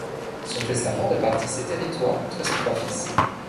Son testament répartit ses territoires entre ses trois fils.